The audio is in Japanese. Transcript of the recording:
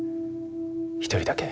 一人だけ。